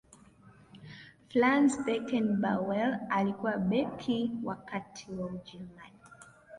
franz beckenbauer alikuwa beki wa kati wa ujerumani